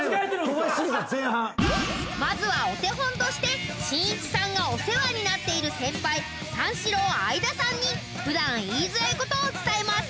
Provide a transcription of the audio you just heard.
飛ばしすぎた前半まずはお手本としてしんいちさんがお世話になっている先輩三四郎・相田さんに普段言いづらいことを伝えます